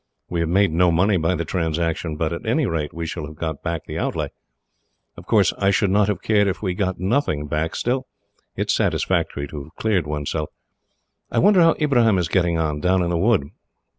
We have made no money by the transaction, but at any rate we shall have got back the outlay. Of course, I should not have cared if we had got nothing back. Still, it is satisfactory to have cleared oneself. "I wonder how Ibrahim is getting on, down in the wood."